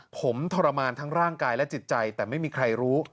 ผมทรมานทั้งร่างกายและจิตใจแต่ไม่มีใครรู้